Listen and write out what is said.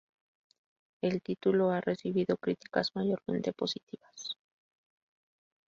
El título ha recibido críticas mayormente positivas.